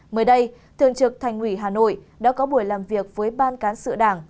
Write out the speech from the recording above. mới đây thường trực thành ủy hà nội đã có buổi làm việc với ban cán sự đảng